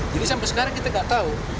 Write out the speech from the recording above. jadi sampai sekarang kita nggak tahu